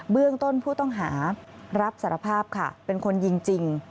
เรื่องต้นผู้ต้องหารับสารภาพค่ะเป็นคนยิงจริง